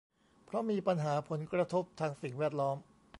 เพราะมีปัญหาผลกระทบทางสิ่งแวดล้อม